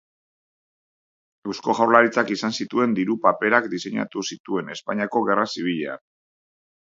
Eusko Jaurlaritzak izan zituen diru-paperak diseinatu zituen Espainiako Gerra Zibilean.